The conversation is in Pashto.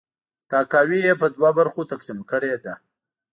تاکاوی یې په دوه برخو تقسیم کړې ده.